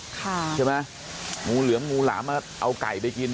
ใช่ไหมงูเหลือมงูหลามมาเอาไก่ไปกิน